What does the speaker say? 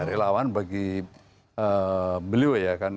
relawan bagi beliau ya kan